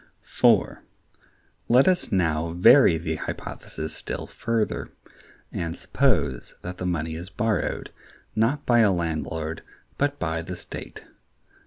(4.) Let us now vary the hypothesis still further, and suppose that the money is borrowed, not by a landlord, but by the state.